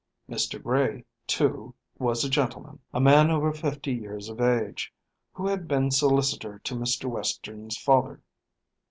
Mr. Gray, too, was a gentleman, a man over fifty years of age, who had been solicitor to Mr. Western's father.